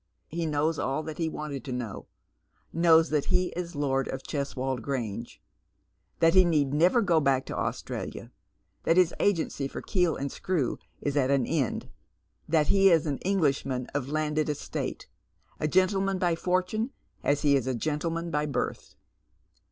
He knows all that he wanted to know — knows that he is lord of Cheswold Grange ; that he need never go back to Australia ; that his agency for Keel and Skrew is at an end ; that he is an Englishman of landed estate — a gentleman by fortune as he is a gentleman by birth.